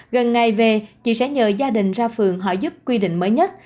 gần ngày về chị sẽ nhờ gia đình ra phường họ giúp quy định mới nhất